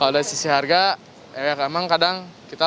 kalau dari sisi harga ya emang kadang kita